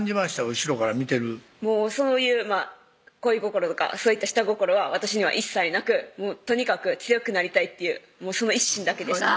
後ろから見てるもうそういう恋心とかそういった下心は私には一切なくとにかく強くなりたいっていうその一心だけでしたほら！